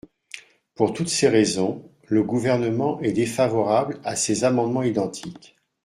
Pour toutes ces raisons, le Gouvernement est défavorable à ces amendements identiques.